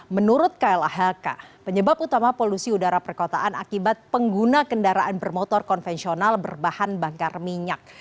menurut klhk penyebab utama polusi udara perkotaan akibat pengguna kendaraan bermotor konvensional berbahan bakar minyak